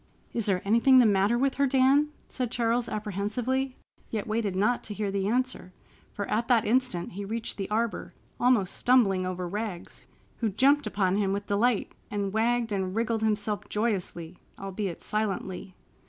"Is there anything the matter with her, Dan?" said Charles apprehensively, yet waited not to hear the answer, for at that instant he reached the arbor, almost stumbling over Rags, who jumped upon him with delight and wagged and wriggled himself joyously—albeit silently.